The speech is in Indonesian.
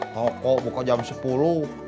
toko buka jam sepuluh